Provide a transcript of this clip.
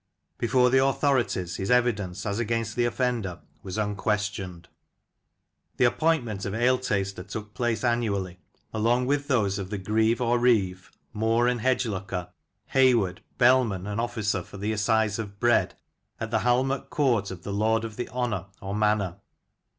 Before the authorities, his evidence as against the offender was unquestioned. c 1 8 Lancashire Characters atid Places, The appointment of ale taster took place annually along with those of the greave or reeve, moor and hedge looker, hayward, bellman and officer for the Assize of Bread, at the Halmot Court of the Lord of the Honor or Manor.